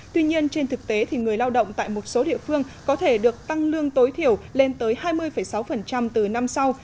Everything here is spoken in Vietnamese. tuy nhiên trên thực tế người lao động tại một số địa phương có thể được tăng lương tối thiểu lên tới hai mươi sáu từ năm sau